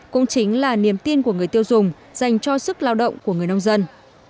cũng chính là niềm tin của người tiêu dùng dành cho sức lao động của người nông dân